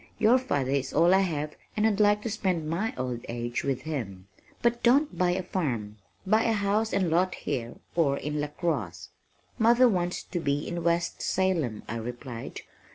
Your father is all I have and I'd like to spend my old age with him. But don't buy a farm. Buy a house and lot here or in LaCrosse." "Mother wants to be in West Salem," I replied.